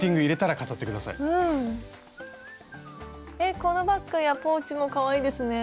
このバッグやポーチもかわいいですね。